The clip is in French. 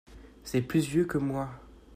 C’est plus vieux que moi.